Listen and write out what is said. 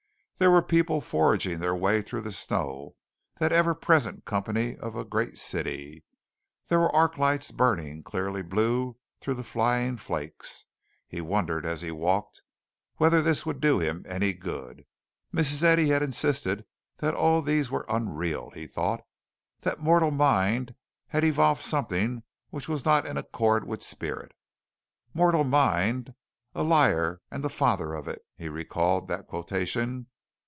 There were people forging their way through the snow, that ever present company of a great city. There were arc lights burning clearly blue through the flying flakes. He wondered as he walked whether this would do him any good. Mrs. Eddy insisted that all these were unreal, he thought that mortal mind had evolved something which was not in accord with spirit mortal mind "a liar and the father of it," he recalled that quotation.